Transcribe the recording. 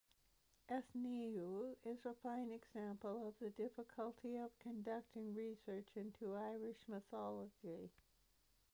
Ethniu is a fine example of the difficulty of conducting research into Irish mythology.